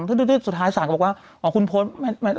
สุดท้ายทางทั้งสามก็บอกว่าอ๋อคุณพศน่ะ